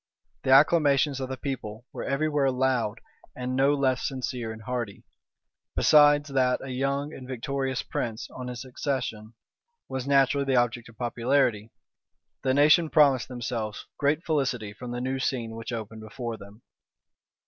The acclamations of the people were every where loud, and no less sincere and hearty. Besides that a young and victorious prince, on his accession, was naturally the object of popularity, the nation promised themselves great felicity from the new scene which opened before them.